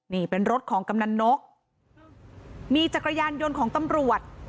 นี่เป็นรถของกำนันนกมีจักรยานยนต์ของตำรวจ